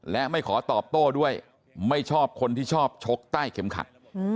และไม่ขอตอบโต้ด้วยไม่ชอบคนที่ชอบชกใต้เข็มขัด